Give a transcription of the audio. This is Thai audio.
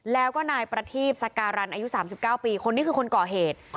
แล้วก็นายประทีปสการันอายุ๓๙ปีคนนี้คือคนก่อเหตุ